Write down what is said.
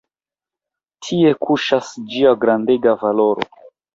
Tie kuŝas ĝia grandega valoro.